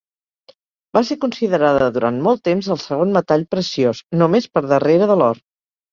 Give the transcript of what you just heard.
Va ser considerada durant molt temps el segon metall preciós, només per darrere de l'or.